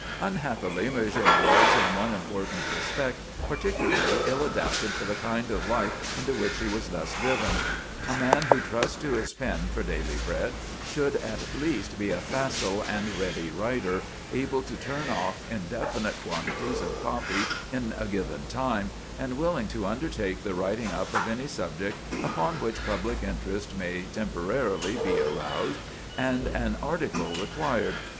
Unhappily, Murger was, in one important respect, particularly ill adapted for the kind of life into which he was thus driven. A man who trusts to his pen for daily bread should at least be a facile and ready writer, able to turn off indefinite quantities of copy in a given time, and willing to undertake the writing up of any subject upon which public interest may be temporarily aroused, and an article required.